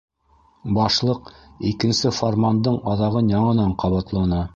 Башлыҡ икенсе фармандың аҙағын яңынан ҡабатланы: